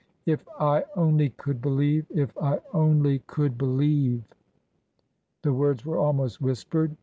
" If I only could believe ! If I only could believe !" The words were almost whispered.